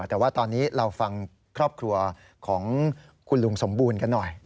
แต่ว่าตอนนี้เราฟังครอบครัวของคุณลุงสมบูรณ์กันหน่อย